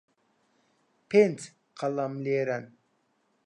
پێنج قەڵەم لێرەن.